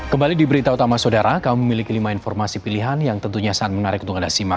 kembali di berita utama saudara kami memiliki lima informasi pilihan yang tentunya sangat menarik untuk anda simak